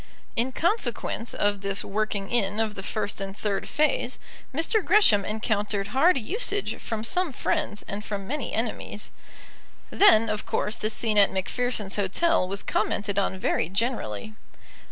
In consequence of this working in of the first and third phase, Mr. Gresham encountered hard usage from some friends and from many enemies. Then, of course, the scene at Macpherson's Hotel was commented on very generally.